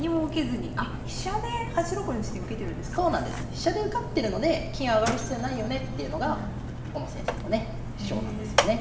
飛車で受かってるので金上がる必要ないよねっていうのが小野先生のね主張なんですよね。